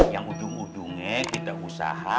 yang ujung ujungnya tidak usaha